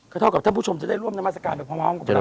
ขอโทษกับท่านผู้ชมจะได้ร่วมในมาศกาล